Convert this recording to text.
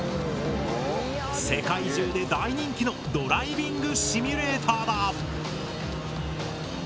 世界中で大人気のドライビングシミュレーターだ。